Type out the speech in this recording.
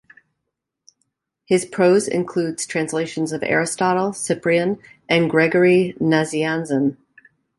His prose includes translations of Aristotle, Cyprian, and Gregory Nazianzen.